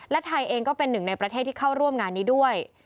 และไทยเองก็เป็นหนึ่งในประเทศที่เข้าร่วมงานนี้ด้วย